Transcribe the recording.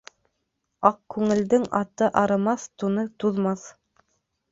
Аҡ күңелдең аты арымаҫ, туны туҙмаҫ.